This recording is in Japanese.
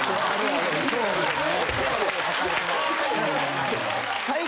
あそうですね